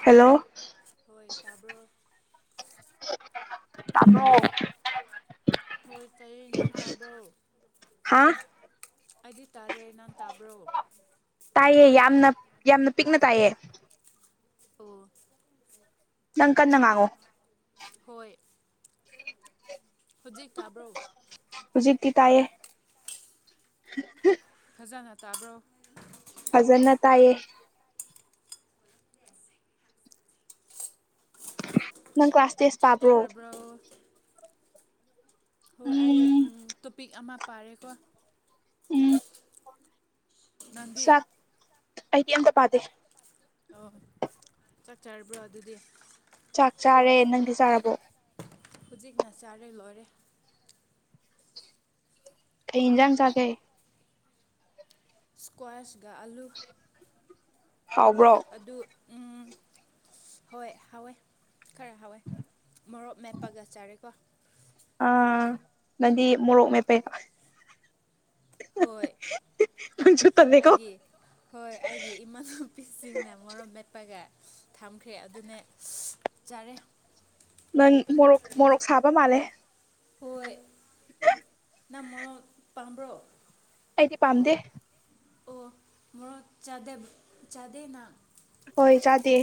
Hello ꯍꯣꯏ ꯇꯥꯕ꯭ꯔꯣ ꯑꯣ ꯍꯣꯏ ꯇꯥꯏꯌꯦ ꯅꯪ ꯇꯥꯕ꯭ꯔꯣ ꯍꯥꯥ ꯑꯩꯗꯤ ꯇꯥꯔꯦ ꯅꯍꯥꯟ ꯇꯥꯕ꯭ꯔꯣ ꯇꯥꯏꯌꯦ ꯌꯥꯝꯅ ꯌꯥꯝꯅ ꯄꯤꯛꯅ ꯇꯥꯏꯌꯦ ꯑꯣ ꯅꯪ ꯀꯟꯅ ꯉꯥꯡꯉꯣ ꯍꯣꯏ [inaudible] ꯍꯧꯖꯤꯛ ꯇꯥꯕ꯭ꯔꯣ ꯍꯧꯖꯤꯗꯤ ꯇꯥꯏꯌꯦ [inaudible] ꯐꯖꯅ ꯇꯥꯕ꯭ꯔꯣ ꯐꯖꯅ ꯇꯥꯏꯌꯦ ꯅꯪ ꯀ ꯆꯥꯛ ꯆꯔꯕ꯭ꯔꯣ ꯍꯣꯏ ꯑꯩ ꯎꯝ ꯇꯣꯄꯤꯛ ꯑꯃ ꯄꯥꯔꯦꯀꯣ ꯎꯝ ꯅꯪꯗꯤ ꯁꯥ ꯑꯩꯗꯤ ꯑꯝꯇ ꯄꯥꯗꯦ꯫ ꯑꯣ ꯆꯠ ꯆꯥꯔꯕ꯭ꯔꯣ ꯑꯗꯨꯗꯤ ꯆꯥꯛ ꯆꯥꯔꯦ ꯅꯪꯗꯤ ꯆꯥꯔꯕꯣ ꯍꯨꯖꯤꯛꯅ ꯆꯥꯔꯦ ꯂꯣꯏꯔꯦ꯫ ꯀꯩ ꯏꯟꯖꯥꯡ ꯆꯥꯒꯩ ꯏꯁ꯭ꯀ꯭ꯋꯥꯁꯒ ꯑꯂꯨ ꯍꯥꯎꯕ꯭ꯔꯣ ꯑꯗꯨ ꯎ ꯍꯣꯏ ꯍꯋꯦ ꯈꯔ ꯍꯥꯎꯋꯦ ꯃꯣꯔꯣꯛ ꯃꯦꯞꯄꯒ ꯆꯥꯔꯦꯀꯣ꯫ ꯑ ꯅꯗꯤ ꯃꯣꯔꯣꯛ ꯃꯦꯄꯦ ꯍꯣꯏ ꯅꯪꯁꯨ ꯇꯜꯂꯦꯀꯣ ꯑꯩꯒꯤ ꯍꯣꯏ ꯑꯩꯒꯤ ꯏꯅꯥꯄꯤꯁꯤꯡꯅ ꯃꯣꯔꯣꯛ ꯃꯦꯠꯄꯒ ꯊꯝꯈ꯭ꯔꯦ ꯑꯗꯨꯅ‌ꯦ ꯆꯥꯔꯦ꯫ ꯅꯪ ꯃꯣꯔꯣꯛ ꯃꯣꯔꯣꯛ ꯁꯥꯕ ꯃꯥꯜꯂꯦ ꯍꯣꯏ ꯅ ꯃꯣꯔꯣꯛ ꯄꯥꯝꯕ꯭ꯔꯣ ꯑꯩꯗꯤ ꯄꯥꯝꯗꯦ ꯑꯣ ꯃꯣꯔꯣꯛ ꯆꯥꯗꯦꯞ ꯆꯥꯗ‌ꯦꯅ꯫ ꯍꯣꯏ ꯆꯥꯗꯦ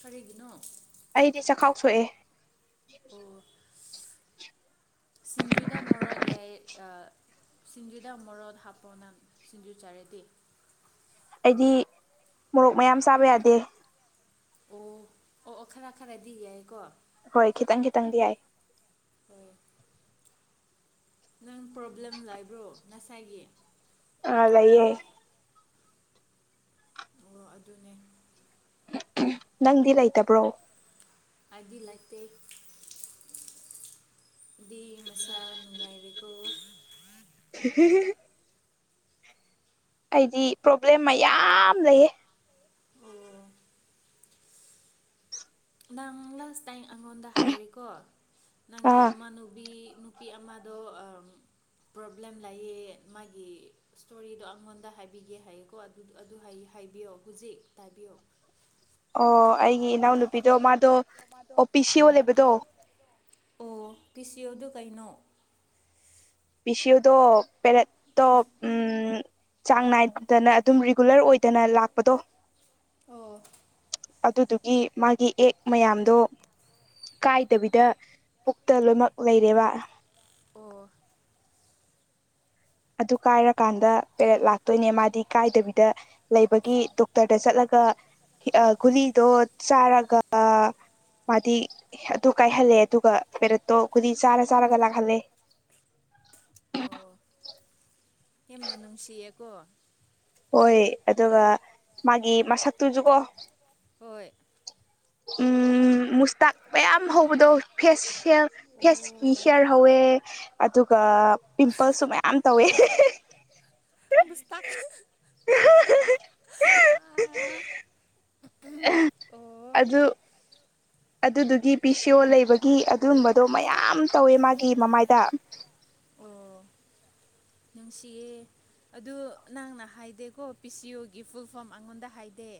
ꯀꯔꯤꯒꯤꯅꯣ꯫ ꯑꯩꯗꯤ ꯆꯈꯥꯎ ꯁꯣꯛꯑꯦ ꯑꯣ ꯁꯤꯡꯖꯨꯗ ꯃꯣꯔꫭꯠ ꯌꯥꯏ ꯑꯥ꯫ ꯁꯤꯡꯖꯨꯗ ꯃꯔꯣꯠ ꯍꯥꯞꯄꯅ ꯁꯤꯡꯖꯨ ꯆꯥꯔꯦꯗꯤꯦ ꯑꯩꯗꯤ ꯃꯣꯔꯣꯛ ꯃꯌꯥꯝ ꯆꯥꯕ ꯌꯥꯗꯦ꯫ ꯑꯣ ꯑꯣ ꯑꯣ ꯈꯔ ꯈꯔꯗꯤ ꯌꯥꯏꯌ‌ꯦꯀꯣ꯫ ꯍꯣꯏ ꯈꯤꯇꯪ ꯈꯤꯇꯪꯗꯤ ꯌꯥꯏ [unintelligible] ꯅꯪ ꯄ꯭ꯔꯣꯕ꯭ꯂꯦꯝ ꯂꯥꯛꯕ꯭ꯔꯣ ꯉꯁꯥꯏꯒꯤ ꯑ ꯂꯩꯌꯦ ꯑꯣ ꯑꯗꯨꯅꯦ ꯅꯪꯗꯤ ꯂꯩꯇꯕ꯭ꯔꯣ ꯑꯥꯏꯗꯤ ꯂꯥꯠꯇ‌ꯦ꯫ ꯗꯤ ꯃꯁꯥ ꯉꯥꯏꯔꯀ [unintelligible] ꯑꯩꯗꯤ ꯄ꯭ꯔꯣꯕ꯭ꯂꯦꯝ ꯃꯌꯥꯝ ꯂꯩꯌꯦ ꯅꯪ ꯂꯥꯁ ꯇꯥꯏꯝ ꯑꯩꯉꯣꯟꯗ ꯍꯥꯏꯔꯤꯀꯣ ꯅꯪꯒꯤ ꯑꯥ ꯏꯃꯥꯟꯅꯨꯕꯤ ꯅꯨꯄꯤ ꯑꯃꯗꯣ ꯄ꯭ꯔꯣꯕ꯭ꯂꯦꯝ ꯂꯌꯦ ꯃꯥꯒꯤ ꯏꯁꯇꯣꯔꯤꯗꯣ ꯑꯩꯉꯣꯟꯗ ꯍꯥꯏꯕꯤꯒꯦ ꯍꯥꯏꯌꯦꯀꯣ ꯍꯥꯏꯕꯤꯌꯣ ꯍꯧꯖꯤꯛ ꯇꯥꯕꯤꯌꯣ ꯑꯣ ꯑꯩꯒꯤ ꯏꯅꯥꯎꯅꯨꯄꯤꯗꯣ ꯃꯥꯗꯣ ꯑꯣ ꯄꯤ ꯁꯤ ꯑꯣ ꯍꯣꯏ ꯂꯩꯕꯗꯣ ꯑꯣ ꯄꯤ ꯁꯤ ꯑꯣ ꯗꫭ ꯀꯩꯅꫭ ꯄꯤꯁꯣꯗ ꯄꯦꯔꯠ ꯇ ꯆꯥꯡ ꯅꯥꯏꯗꯅ ꯑꯗꯨꯝ ꯔꯤꯒꯨꯂꯔ ꯑꯣꯏꯗꯅ ꯂꯥꯛꯄꯗꯣ ꯑꯣ ꯑꯗꯨꯗꯨꯒꯤ ꯃꯥꯒꯤ ꯑꯦꯛ ꯃꯌꯥꯝꯗꯣ ꯀꯥꯏꯗꯕꯤꯗ ꯄꯨꯛꯇ ꯂꯣꯏꯅꯃꯛ ꯂꯩꯔꯦꯕ ꯑꯣ ꯑꯗꯨ ꯀꯥꯏꯔꯛꯀꯥꯟꯗ ꯄꯦꯔꯦꯠ ꯂꯥꯛꯇꯣꯏꯅꯦ ꯃꯥꯗꯤ ꯀꯥꯏꯗꯕꯤꯗ ꯂꯩꯕꯒꯤ ꯗꯣꯛꯇꯔꯗ ꯆꯠꯂꯒ ꯒꯨꯂꯤꯗꯣ ꯆꯥꯔꯒ ꯃꯥꯗꯤ ꯑꯗꯨ ꯀꯥꯏꯍꯜꯂꯦ ꯑꯗꯨꯒ ꯄꯦꯔꯠꯇꯣ ꯀꯨꯗꯤ ꯆꯥꯔ ꯆꯥꯔꯒ ꯂꯥꯛꯍꯜꯂꯦ ꯑꯣ ꯌꯥꯝꯅ ꯅꯨꯡꯁꯤꯌꯦ ꯀꯣ ꯍꯣꯏ ꯑꯗꯨꯒ ꯃꯥꯒꯤ ꯃꯁꯛꯇꯨꯖ ꯀꯣ ꯍꯣꯏ ꯎꯝ ꯃꯨꯁꯇꯥꯛ ꯃꯌꯥꯝ ꯍꯧꯕꯗꯣ ꯐꯦꯁ ꯐꯦꯁꯀꯤ ꯑꯣ ꯍꯤꯌꯥꯔ ꯍꯧꯋꯦ ꯑꯗꯨꯒ ꯄꯤꯝꯄꯜꯁꯨ ꯃꯌꯥꯝ ꯇꯧꯋꯦ ꯃꯨꯁꯇꯥꯛ [unintelligible] ꯑꯦ ꯑꯣ ꯑꯗꯨ ꯑꯗꯨꯗꯨꯒꯤ ꯄꯤ ꯁꯤ ꯑꯣ ꯂꯩꯕꯒꯤ ꯑꯗꯨꯝꯕꯗꯣ ꯃꯌꯥꯝ ꯇꯧꯋꯦ ꯃꯥꯒꯤ ꯃꯃꯥꯏꯗ ꯅꯨꯡꯁꯤꯌꯦ ꯑꯗꯨ ꯅꯪꯅ ꯍꯥꯏꯗꯦꯀꯣ ꯄꯤ ꯁꯤꯌꯨꯒꯤ ꯐꯨꯜ ꯐꯣꯝ ꯑꯩꯉꯣꯟꯗ ꯍꯥꯏꯗꯦ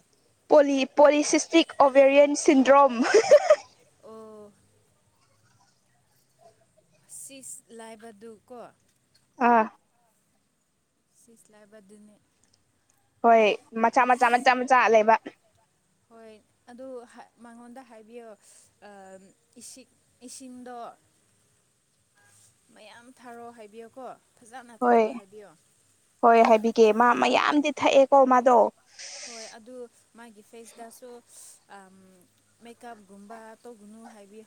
ꯄꯣꯂꯤ ꯄꯣꯂꯤꯁꯤꯁꯇꯤꯛ ꯑꯣꯕꯦꯔꯤꯌꯦꯟ ꯁꯤꯟꯗ꯭ꯔꯣꯝ ꯑꯣ ꯁꯤꯁ ꯂꯥꯏꯕꯗꯨ ꯀꯣ ꯑꯥ ꯁꯤꯁꯂꯥꯏꯕꯗꯤꯅꯤ ꯍꯣꯏ ꯃꯆꯥ ꯃꯆꯥ ꯃꯆꯥ ꯃꯆꯥ ꯂꯩꯕ ꯍꯣꯏ ꯑꯗꯨ ꯃꯉꯣꯟꯗ ꯍꯥꯏꯕꯤꯌꯣ ꯑꯥ ꯏꯁꯤꯡ ꯏꯁꯤꯡꯗꯣ [inaudible] ꯃꯌꯥꯝ ꯊꯥꯔꯣ ꯍꯥꯏꯕꯤꯌꯣꯀꯣ ꯐꯖꯅ ꯍꯣꯏ ꯊꯥꯔꯣ ꯍꯥꯏꯕꯤꯌꯣ ꯍꯣꯏ ꯍꯥꯏꯕꯤꯒꯦ ꯃꯥ ꯃꯌꯥꯝꯗꯤ ꯊꯛꯑꯦꯀꯣ ꯃꯥꯗꯣ ꯍꯣꯏ ꯑꯗꯨ ꯃꯥꯒꯤ ꯐꯦꯁꯇꯁꯨ ꯑꯥꯝ ꯃꯦꯀꯞꯒꯨꯝꯕ ꯇꯧꯒꯅꯨ ꯍꯥꯏꯕꯤꯌꯨ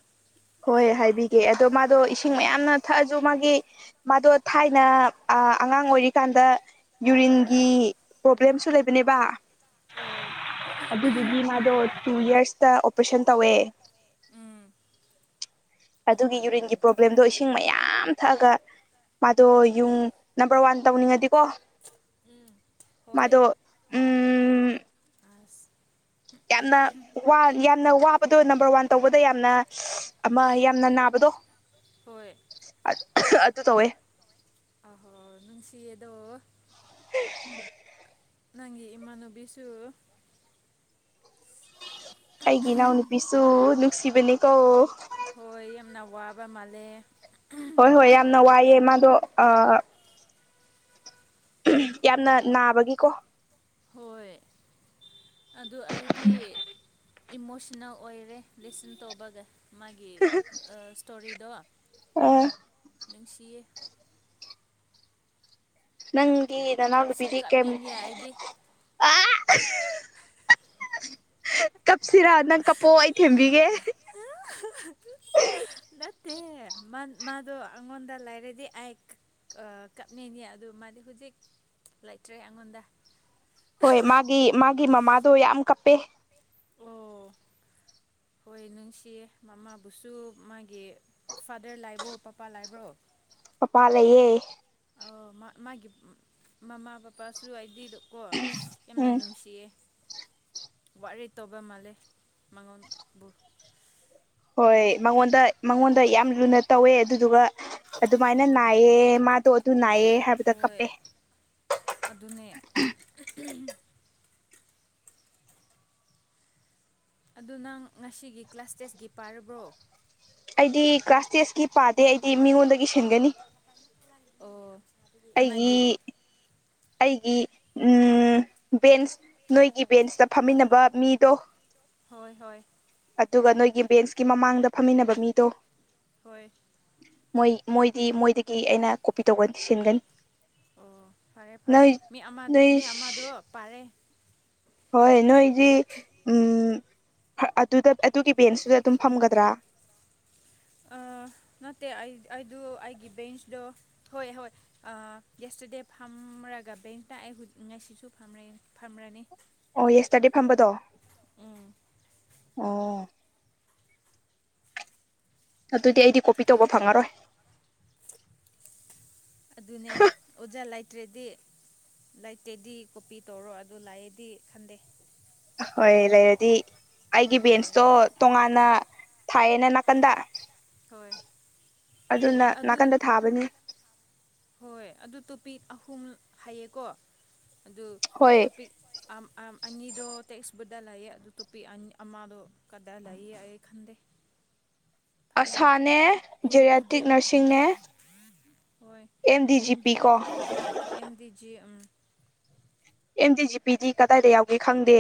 ꯍꯣꯏ ꯍꯥꯏꯕꯤꯒꯦ ꯑꯗꯣ ꯃꯥꯗꯣ ꯏꯁꯤꯡ ꯍꯣꯏ ꯃꯌꯥꯝꯅ ꯊꯛꯑꯁꯨ ꯃꯥꯒꯤ ꯃꯥꯗꯣ ꯊꯥꯏꯅ ꯑꯥ ꯑꯉꯥꯡ ꯑꯣꯏꯔꯤꯀꯥꯟꯗ ꯌꯨꯔꯤꯟꯒꯤ ꯄ꯭ꯔꯣꯕ꯭ꯂꯦꯝꯁꯨ ꯂꯩꯕꯅꯦꯕ ꯑꯣ ꯑꯗꯨꯗꯨꯒꯤ ꯃꯥꯗꯣ ꯇꯨ ꯌꯔꯁꯇ ꯑꯣꯄꯔꯦꯁꯟ ꯇꯧꯋꯦ ꯎꯝ ꯑꯗꯨꯒꯤ ꯌꯨꯔꯤꯟꯒꯤ ꯑꯣꯍꯣ ꯄ꯭ꯔꯣꯕ꯭ꯂꯦꯝꯗꯣ ꯏꯁꯤꯡ ꯃꯌꯥꯝ ꯊꯛꯑꯒ ꯃꯥꯗꯣ ꯌꯨꯡ ꯅꯝꯕꯔ ꯋꯥꯟ ꯇꯧꯅꯤꯡꯉꯗꯤꯀꯣ ꯍꯣꯏ ꯃꯥꯗꯣ ꯎꯝ ꯑꯁ ꯌꯥꯝꯅ ꯌꯥꯝꯅ ꯋꯥꯕꯗꯣ ꯅꯝꯕꯔ ꯋꯥꯟ ꯇꯧꯕꯗ ꯌꯥꯝꯅ ꯑꯃ ꯌꯥꯝꯅ ꯅꯥꯕꯗꯣ ꯍꯣꯏ ꯑꯗꯨ ꯇꯧꯋꯦ ꯑ ꯅꯨꯡꯁꯤ ꯑꯗꯣ ꯫ ꯅꯪꯒꯤ ꯏꯃꯥꯅꯕꯤꯁꯨ꯫ ꯑꯩꯒꯤ ꯏꯅꯥꯎꯅꯨꯄꯤꯁꯨ ꯅꯨꯡꯁꯤꯕꯅꯦꯀꯣ꯫ ꯍꯣꯏ ꯌꯥꯝꯅ ꯋꯥꯕ ꯃꯥꯜꯂꯦ꯫ ꯍꯣꯏ ꯍꯣꯏ ꯌꯥꯝꯅ ꯋꯥꯏꯑꯦ ꯃꯥꯗꯣ ꯑꯥ꯫ ꯌꯥꯝꯅ ꯅꯥꯕꯒꯤꯀꯣ ꯍꯣꯏ꯫ ꯑꯗꯨ ꯑꯩꯗꯤ ꯏꯃꯣꯁꯟꯅꯜ ꯑꯣꯏꯔꯦ ꯂꯤꯁꯟ ꯇꯧꯕꯒ ꯃꯥꯒꯤ ꯏꯁꯇꯣꯔꯤꯗꯣ ꯑꯥ ꯅꯨꯡꯁꯤꯌꯦ꯫ ꯅꯪꯒꯤ ꯀꯥꯞꯁꯨ ꯅꯅꯧꯎꯕꯤꯗꯤ ꯀꯦꯝ ꯀꯥꯞꯅꯤꯡꯉꯦ ꯑꯩꯗꯤ ꯑ ꯀꯞꯁꯤꯔꯥ ꯅꯪ ꯀꯞꯄꯣ ꯑꯩ ꯊꯦꯝꯕꯤꯒꯦ ꯅꯠꯇꯦ ꯑꯦ ꯃꯥꯗꯣ ꯑꯩꯉꯣꯟꯗ ꯂꯥꯏꯔꯗꯤ ꯑꯩꯛ ꯀꯞꯅꯤꯡꯉꯦ ꯑꯗꯨ ꯃꯥꯗꯤ ꯍꯧꯖꯤꯛ ꯂꯩꯇ꯭ꯔꯦ ꯑꯩꯉꯣꯟꯗ ꯍꯣꯏ ꯃꯥꯒꯤ ꯃꯥꯒꯤ ꯃꯃꯥꯗꯣ ꯌꯥꯝ ꯀꯞꯄꯦ ꯑꯣ ꯍꯣꯏ ꯅꯨꯡꯁꯤꯌꯦ ꯃꯃꯥꯕꯨꯁꯨ ꯃꯥꯒꯤ ꯐꯥꯗꯔ ꯂꯥꯏꯕ꯭ꯔꯣ ꯄꯄꯥ ꯂꯥꯏꯕ꯭ꯔꯣ ꯄꯄꯥ ꯂꯩꯌꯦ ꯑꯣ ꯃꯥꯒꯤ ꯃꯃꯥ ꯄꯄꯥꯁꯨ ꯍꯥꯏꯗꯤꯗꯣ ꯀꯣ ꯌꯥꯝꯅ ꯎꯝ ꯅꯨꯡꯁꯤꯌꯦ ꯋꯥꯔꯤ ꯇꯧꯕ ꯃꯥꯜꯂꯦ ꯃꯉꯣꯟꯕꯨ ꯍꯣꯏ ꯃꯉꯣꯟꯗ ꯃꯉꯣꯟꯗ ꯌꯥꯝ ꯂꯨꯅ ꯇꯧꯋꯦ ꯑꯗꯨꯗꯨꯒ ꯑꯗꯨꯃꯥꯏꯅ ꯑꯣ ꯅꯥꯏꯌꯦꯦ ꯃꯥꯗꯣ ꯑꯗꯨ ꯅꯥꯏꯌꯦꯦ ꯍꯥꯏꯕꯗ ꯍꯣꯏ ꯀꯞꯄꯦ ꯑꯗꯨꯅꯦ ꯑꯗꯨ ꯅꯪ ꯉꯁꯤꯒꯤ ꯀ꯭ꯂꯥꯁ ꯇꯦꯁꯀꯤ ꯄꯥꯔꯕ꯭ꯔꯣ ꯑꯩꯗꯤ ꯀ꯭ꯂꯥꯁ ꯇꯦꯁꯀꯤ ꯄꯥꯗꯦ ꯑꯩꯗꯤ ꯃꯤꯉꯣꯟꯗꯒꯤ ꯁꯤꯟꯒꯅꯤ ꯑꯣ ꯀꯅꯥꯒꯤ ꯑꯩꯒꯤ ꯑꯩꯒꯤ ꯕꯦꯟꯁ ꯅꯣꯏꯒꯤ ꯕꯦꯟꯁꯇ ꯐꯝꯃꯤꯟꯅꯕ ꯃꯤꯗꯣ ꯍꯣꯏ ꯍꯣꯏ ꯑꯗꯨꯒ ꯅꯣꯏꯒꯤ ꯕꯦꯟꯁꯀꯤ ꯃꯃꯥꯡꯗ ꯐꯝꯃꯤꯟꯅꯕ ꯃꯤꯗꯣ ꯍꯣꯏ ꯃꯣꯏ ꯃꯣꯏꯗꯤ ꯃꯣꯏꯗꯒꯤ ꯑꯩꯅ ꯀꯣꯄꯤ ꯇꯧꯒ ꯁꯤꯟꯒꯅꯤ ꯑꯣ ꯐꯔꯦ ꯐꯔꯦ ꯅꯣꯏ ꯃꯤ ꯑꯃ ꯅꯣꯏ ꯃꯤ ꯑꯃꯗꯣ ꯄꯥꯔꯦ ꯍꯣꯏ ꯅꯣꯏꯗꯤ ꯑꯗꯨꯗ ꯑꯗꯨꯒꯤ ꯕꯦꯟꯁꯇꯨꯗ ꯑꯗꯨꯝ ꯐꯝꯒꯗ꯭ꯔꯥ ꯅꯠꯇꯦ ꯑꯩ ꯑꯩꯗ ꯑꯩꯒꯤ ꯕꯦꯟꯁꯗꯣ ꯍꯣꯏ ꯍꯣꯏ ꯑꯥ ꯌꯦꯁꯇꯔꯗꯦ ꯐꯝꯔꯒ ꯕꯦꯡꯇ ꯑꯩ ꯉꯁꯤꯁꯨ ꯐꯝ ꯐꯝꯔꯅꯤ ꯑꯣ ꯌꯦꯁꯇꯗꯤ ꯐꯝꯕꯗꯣ ꯎꯝ ꯑꯣ ꯑꯗꯨꯗꯤ ꯑꯩꯗꯤ ꯀꯣꯄꯤ ꯇꯧꯕ ꯐꯪꯉꯔꯣꯏ ꯑꯗꯨꯅꯦ ꯑꯣꯖꯥ ꯂꯩꯇ꯭ꯔꯗꯤ ꯂꯩꯇꯦꯗꯤ ꯀꯣꯄꯤ ꯇꯧꯔꯣ ꯑꯗꯨ ꯂꯥꯛꯑꯦꯗꯤ ꯈꯟꯗꯦ ꯍꯣꯏ ꯂꯩꯔꯗꯤ ꯑꯩꯒꯤ ꯍꯣꯏ ꯕꯦꯟꯁꯇꯣ ꯇꯣꯉꯥꯟꯅ ꯊꯥꯏꯌꯦꯅ ꯅꯥꯀꯟꯗ ꯍꯣꯏ ꯑꯗꯨꯅ ꯑꯗꯨ ꯅꯥꯀꯟꯗ ꯊꯥꯕꯅꯤ ꯍꯣꯏ ꯑꯗꯨ ꯇꯣꯄꯤꯛ ꯑꯍꯨꯝ ꯍꯥꯏꯌꯦꯀꯣ ꯑꯗꯨ ꯍꯣꯏ ꯇꯣꯄꯤꯛ ꯑ ꯑ ꯑꯅꯤꯗ ꯇꯦ ꯏꯁꯄꯗꯥ ꯂꯥꯏꯑ ꯑꯗꯨ ꯇꯨꯄꯤꯗ ꯀꯗꯥ ꯂꯥꯏꯑꯦ ꯈꯟꯗ [inaudible] ꯑꯁꯥꯅꯦ ꯎ ꯎꯗꯦ ꯖꯦꯔꯌꯥꯇꯤꯛ ꯅꯔꯁꯤꯡꯅꯦ M D G P MD ꯀꯣ ꯑꯦꯝꯗꯤꯖꯤ ꯑꯦꯝ ꯗꯤ ꯖꯤ ꯄꯤꯗꯤ ꯀꯗꯥꯏꯗ ꯌꯥꯎꯒꯦ ꯈꯪꯗꯦ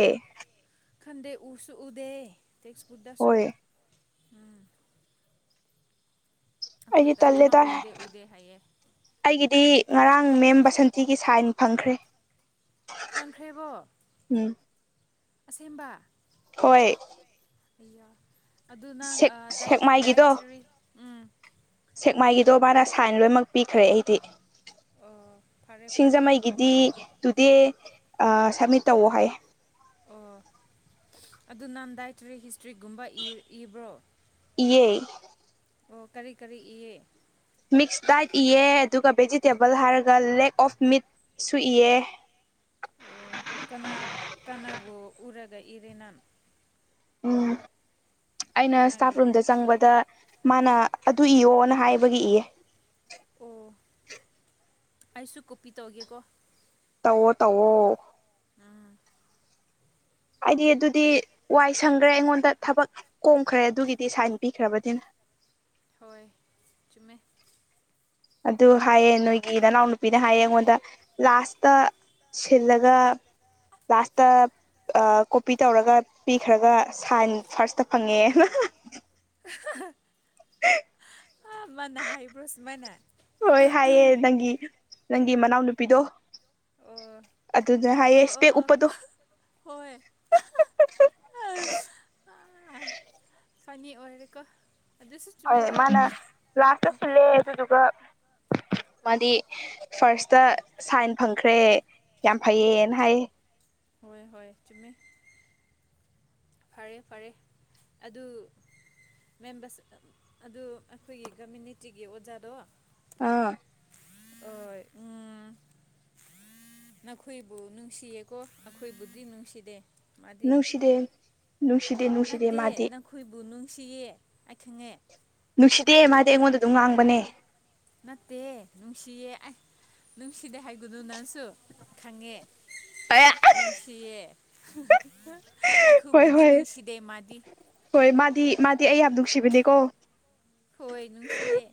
ꯈꯟꯗꯦ ꯎꯁꯨ ꯎꯗꯦ ꯇꯦꯛꯁꯄꯨꯠꯗꯁꯨ ꯍꯣꯏ ꯑꯩꯈꯣꯏ ꯑꯩꯗꯤ ꯂꯣꯏꯅꯃꯛ ꯇꯜꯂꯦꯗ ꯎꯗꯦ ꯎꯗꯦ ꯍꯥꯏꯌꯦ ꯑꯩꯒꯤꯗꯤ ꯉꯔꯥꯡ ꯃꯦꯝ ꯕꯁꯟꯇꯤꯒꯤ ꯁꯥꯏꯟ ꯐꯪꯈ꯭ꯔꯦ ꯐꯪꯈ꯭ꯔꯦꯕꯣ ꯎꯝ ꯑꯁꯦꯡꯕ ꯍꯣꯏ ꯌꯣ ꯑꯗꯨ ꯅꯪ ꯁꯦꯛ ꯁꯦꯛꯃꯥꯏꯒꯤꯗꯣ ꯗꯥꯏꯇꯔꯤ ꯎꯝ ꯁꯦꯛꯃꯥꯏꯒꯤꯗꯣ ꯕꯥꯅ ꯁꯥꯏꯟ ꯂꯣꯏꯅꯃꯛ ꯄꯤꯈ꯭ꯔꯦ ꯑꯩꯗꯤ ꯑꯣ ꯐꯔꯦ ꯐꯔꯦ ꯒꯤꯗꯤ ꯇꯨꯗꯦ ꯁꯞꯃꯤꯠ ꯇꯧꯑꯣ ꯍꯥꯏ ꯑꯣ ꯑꯗꯨ ꯅꯥꯟꯗꯥꯏꯇꯔꯤ ꯍꯤꯁꯇ꯭ꯔꯤꯒꯨꯝꯕ ꯏꯕ꯭ꯔꯣ ꯑꯦꯏ ꯑꯣ ꯀꯔꯤ ꯀꯔꯤ ꯏꯌꯦ ꯃꯤꯛꯁ ꯗꯥꯏꯠ ꯏꯌꯦ ꯑꯗꯨꯒ ꯚꯦꯖꯤꯇꯦꯕꯜ ꯍꯥꯏꯔꯒ ꯂꯦꯛ ꯑꯣꯐ ꯃꯤꯠꯁꯨ ꯏꯌꯦ ꯑꯣ ꯀꯅꯥ ꯀꯅꯥꯕꯨ ꯎꯔꯒ ꯏꯔꯦꯅꯥꯥꯟ ꯎꯝ ꯑꯩꯅ ꯏꯁꯇꯥꯐ ꯀꯅꯥꯒꯤ ꯔꯨꯝꯗ ꯆꯪꯕꯗ ꯃꯥꯅ ꯑꯗꯨ ꯏꯌꯣꯅ ꯍꯥꯏꯕꯒꯤ ꯏꯌꯦ ꯑꯣ ꯑꯩꯁꯨ ꯀꯣꯄꯤ ꯇꯧꯒꯦꯀꯣ ꯇꯧꯋꯣ ꯇꯧꯋꯣ ꯎꯝ ꯍꯥꯏꯗꯤ ꯑꯗꯨꯗꯤ ꯋꯥꯏ ꯁꯪꯈ꯭ꯔꯦ ꯑꯩꯉꯣꯟꯗ ꯊꯕꯛ ꯀꯣꯝꯈ꯭ꯔꯦ ꯑꯗꯨꯒꯤꯗꯤ ꯁꯨꯃꯥꯏꯟ ꯄꯤꯈ꯭ꯔꯕꯅꯤꯅ ꯍꯣꯏ ꯆꯨꯝꯃꯦ ꯑꯗꯨ ꯍꯥꯏꯌꯦꯦ ꯅꯣꯏꯒꯤ ꯅꯅꯥꯎꯅꯨꯄꯤꯅ ꯍꯥꯏꯌꯦ ꯑꯩꯉꯣꯟꯗ ꯂꯥꯁꯇ ꯁꯤꯜꯂꯒ ꯂꯥꯁꯇ ꯀꯣꯄꯤ ꯇꯧꯔꯒ ꯄꯤꯈ꯭ꯔꯒ ꯁꯥꯏꯟ ꯐꯥꯔꯁꯇ ꯐꯪꯉꯦꯅ [unintelligible] ꯍꯥ ꯃꯥꯟꯅ ꯍꯥꯏꯕ꯭ꯔꯣꯁꯨ ꯃꯥꯏꯅ ꯍꯥꯏꯒꯤ ꯅꯪꯒꯤ ꯃꯅꯥꯎꯅꯨꯄꯤꯗꯣ ꯑꯣ ꯑꯗꯨꯅ ꯑꯣ ꯍꯥꯏꯌꯦꯁꯄꯦ ꯑꯣ ꯑꯣ ꯎꯄꯗꯣ ꯍꯣꯏ ꯑꯁ ꯑꯥ ꯐꯅꯤ ꯑꯣꯏꯔꯦꯀꯣ ꯑꯗꯨꯁꯨ ꯍ ꯆꯨꯝꯃꯦꯀꯣ ꯃꯥꯅ ꯂꯥꯁꯇꯁꯨ ꯂꯩ ꯑꯗꯨꯗꯨꯒ ꯃꯥꯗꯤ ꯐꯥꯔꯁꯇ ꯁꯥꯏꯟ ꯐꯪꯈ꯭ꯔꯦ ꯌꯥꯝ ꯐꯩꯌꯦꯅ ꯍꯥꯏꯌꯦ ꯍꯣꯏ ꯍꯣꯏ ꯆꯨꯝꯃꯦ ꯐꯔꯦ ꯐꯔꯦ ꯑꯗꯨ ꯃꯦꯝꯕꯔꯁꯤ ꯑꯗꯨ ꯑꯩꯈꯣꯏꯒꯤ ꯀꯝꯃꯌꯨꯅꯤꯇꯤꯒꯤ ꯑꯣꯖꯥꯗꯣ ꯑꯥ ꯍꯣꯢ ꯎꯝ ꯅꯈꯣꯏꯕꯨ ꯅꯨꯡꯁꯤꯌꯦꯀꯣ ꯑꯩꯈꯣꯏꯕꯨꯗꯤ ꯅꯨꯡꯁꯤꯗꯦ ꯃꯥꯗꯤ ꯅꯨꯡꯁꯤꯗꯦ ꯅꯨꯡꯁꯤꯗꯦ ꯅꯨꯡꯁꯤꯗꯦ ꯅꯠꯇꯦ ꯃꯥꯗꯤ ꯅꯈꯣꯏꯕꯨ ꯅꯨꯡꯁꯤꯌꯦ ꯑꯩ ꯈꯪꯉꯦ ꯅꯨꯡꯁꯤꯗꯦ ꯃꯥꯗꯤ ꯑꯩꯉꯣꯟꯗ ꯑꯗꯨꯝ ꯉꯥꯡꯕꯅꯦ ꯅꯠꯇꯦ ꯅꯨꯡꯁꯤꯌꯦ ꯑꯩ ꯅꯨꯡꯁꯤꯗꯦ ꯍꯥꯏꯒꯨꯅꯨ ꯅꯪꯁꯨ ꯈꯪꯉꯦ [unintelligible] ꯅꯨꯡꯁꯤꯌꯦ ꯍꯣꯏ ꯑꯩꯈꯣꯏꯕꯨꯗꯤ ꯍꯣꯏ ꯅꯨꯡꯁꯤꯗꯦ ꯃꯥꯗꯤ ꯍꯣꯏ ꯃꯥꯗꯤ ꯃꯥꯗꯤ ꯑꯩ ꯌꯥꯝ ꯅꯨꯡꯁꯤꯕꯅꯦꯀꯣ ꯍꯣꯏ ꯅꯨꯡꯁꯤꯌꯦ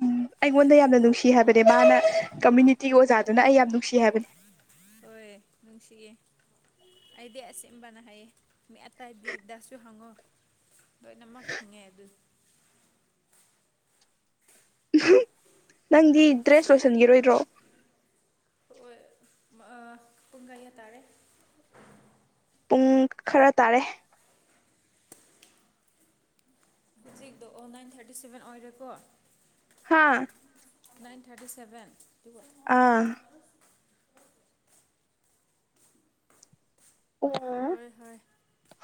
ꯎꯝ ꯑꯩꯉꯣꯟꯗ ꯌꯥꯝꯅ ꯅꯨꯡꯁꯤ ꯍꯥꯏꯕꯅꯦ ꯃꯥꯅ ꯀꯝꯃꯌꯨꯅꯤꯇꯤꯒꯤ ꯑꯣꯖꯥꯗꯨꯅ ꯑꯩ ꯌꯥꯝ ꯅꯨꯡꯁꯤ ꯍꯥꯏꯕꯅꯦ ꯍꯣꯏ ꯅꯨꯡꯁꯤꯌꯦ ꯑꯩꯗꯤ ꯑꯁꯦꯡꯕꯅ ꯍꯥꯏꯌꯦ ꯃꯤ ꯑꯥꯏꯇꯩꯗꯁꯨ ꯍꯪꯉꯨ ꯂꯣꯏꯅꯃꯛ ꯈꯪꯉꯦ ꯑꯗꯨ ꯅꯪꯗꯤ ꯗ꯭ꯔꯦꯁ ꯂꯣꯏꯁꯤꯟꯈꯤꯔꯣꯏꯗ꯭ꯔꯣ ꯍꯣꯏ [unintelligible] ꯄꯨꯡ ꯀꯌꯥ ꯇꯥꯥꯔꯦ ꯄꯨꯡ ꯈꯔ ꯇꯥꯔꯦ ꯍꯧꯖꯤꯛꯇꯣ ꯑꯣ ꯅꯥꯏꯟ ꯊꯥꯔꯇꯤ ꯁꯚꯦꯟ ꯑꯣꯏꯔꯦꯀꯣ ꯍꯥꯥ ꯅꯥꯏꯟ ꯊꯥꯔꯇꯤ ꯁꯚꯦꯟ ꯑꯥ [unintelligible] ꯍꯣꯏ ꯍꯣꯏ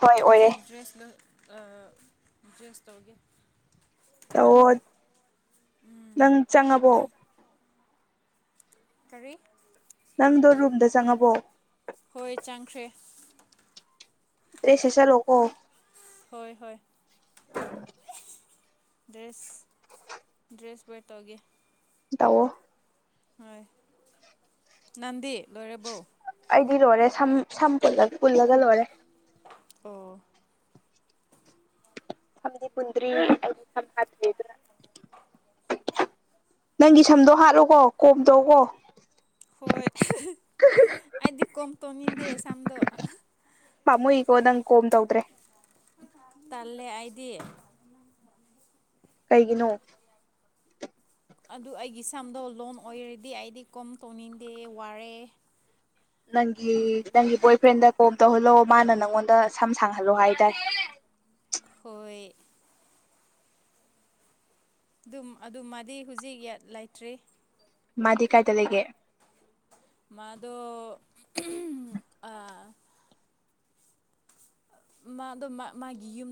ꯍꯣꯏ ꯑꯣꯏꯔꯦ ꯍꯧꯖꯤꯛ ꯗ꯭ꯔꯦꯁꯅ ꯑ ꯗ꯭ꯔꯦꯁ ꯇꯧꯒꯦ ꯇꯧꯑꯣ ꯅꯪ ꯆꯪꯉꯕꯣ ꯀꯔꯤ ꯅꯪꯗꯣ ꯔꯨꯝꯗ ꯆꯪꯉꯕꯣ ꯍꯣꯏ ꯆꯪꯈ꯭ꯔꯦ ꯇ꯭ꯔꯦꯁ ꯁꯦꯆꯟꯂꯣꯛꯣ ꯍꯣꯏ ꯍꯣꯏ [unintelligible] ꯗ꯭ꯔꯦꯁ ꯗ꯭ꯔꯦꯁ ꯋꯦꯔ ꯇꯧꯒꯦ ꯇꯑꯣ ꯍꯣꯏ ꯅꯪꯗꯤ ꯂꯣꯏꯔꯕꯣ ꯑꯩꯗꯤ ꯂꯣꯏꯔꯦ ꯁꯝ ꯁꯝꯂ ꯄꯨꯜꯂꯒ ꯂꯣꯏꯔꯦ ꯑꯣ ꯁꯝꯗꯤ ꯄꯨꯟꯗ꯭ꯔꯤ [unintelligible] ꯅꯪꯒꯤ ꯁꯝꯗꯣ ꯍꯥꯠꯂꯣꯀꯣ ꯀꯣꯝ ꯇꯧꯑꯣꯀꯣ ꯍꯣꯏ [unintelligible] ꯑꯩꯗꯤ ꯀꯣꯝ ꯇꯧꯅꯤꯡꯗꯦ ꯁꯝꯗꯣ ꯄꯥꯃꯨꯣꯏꯀꯣ ꯅꯪ ꯀꯣꯝ ꯇꯧꯗ꯭ꯔꯦ [unintelligible] ꯇꯜꯂꯦ ꯑꯩꯗꯤ ꯀꯩꯒꯤꯅꯣ ꯑꯗꯨ ꯑꯩꯒꯤ ꯏꯁꯝꯗꯣ ꯂꯣꯟ ꯑꯣꯏꯔꯗꯤ ꯑꯩꯗꯤ ꯀꯣꯝ ꯇꯧꯅꯤꯡꯗꯦ ꯋꯥꯔꯦ ꯅꯪꯒꯤ ꯅꯪꯒꯤ ꯕꯣꯏ ꯐ꯭ꯔꯦꯟꯗ ꯀꯣꯝ ꯇꯧꯍꯜꯂꯣ ꯃꯥꯅ ꯅꯪꯉꯣꯟꯗ ꯁꯝ ꯁꯥꯡꯍꯜꯂꯣ ꯍꯥꯏꯗꯥꯏ ꯍꯣꯏ ꯑꯗꯨꯝ ꯑꯗꯨꯃꯥꯗꯤ ꯍꯧꯖꯤꯛ ꯂꯩꯇ꯭ꯔꯤ ꯃꯥꯗꯤ ꯀꯥꯏꯗ ꯂꯩꯒꯦ ꯃꯥꯗꯣ ꯑꯥ ꯃꯥꯗꯣ ꯃꯥꯒꯤ ꯌꯨꯝ